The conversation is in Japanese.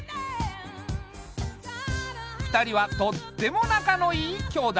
２人はとってもなかのいい兄妹。